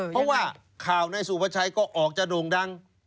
เพราะว่าข่าวนายสุภาชัยก็ออกจะโด่งดัง